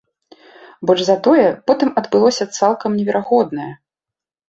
Больш за тое, потым адбылося цалкам неверагоднае.